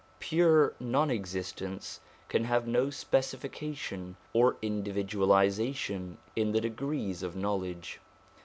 Pure non existence can have no specification or individualisation in the degrees of knowledge.